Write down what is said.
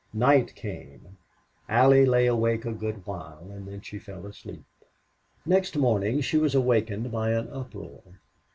Night came. Allie lay awake a good while, and then she fell asleep. Next morning she was awakened by an uproar.